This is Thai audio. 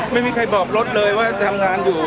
ไม่มีใครบอกรถเลยว่าจะทำงานอยู่